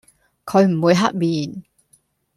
佢唔會黑面